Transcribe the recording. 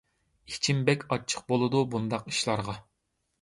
ئىچىم بەك ئاچچىق بولىدۇ بۇنداق ئىشلارغا.